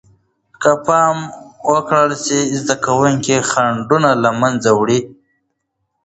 که پام ورکړل سي، زده کوونکي خنډونه له منځه وړي.